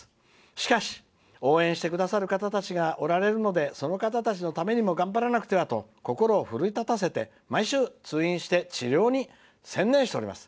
しかし、応援してくださる方がおられるのでその方たちのために頑張らなくてはと心を奮い立たせて毎週、通院して治療に専念しています。